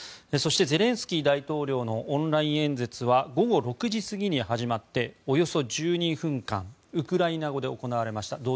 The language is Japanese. そして、ゼレンスキー大統領のオンライン演説は午後６時過ぎに始まっておよそ１２分間ウクライナ語で行われました。